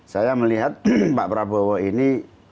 saya melihat pak prabowo ini